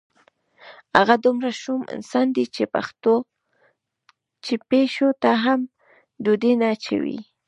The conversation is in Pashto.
هغه دومره شوم انسان دی چې پیشو ته هم ډوډۍ نه اچوي.